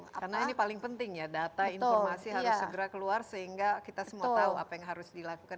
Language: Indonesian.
karena ini paling penting ya data informasi harus segera keluar sehingga kita semua tahu apa yang harus dilakukan